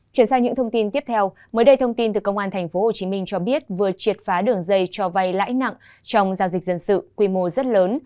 chuyển sang những thông tin tiếp theo mới đây thông tin từ công an tp hcm cho biết vừa triệt phá đường dây cho vay lãi nặng trong giao dịch dân sự quy mô rất lớn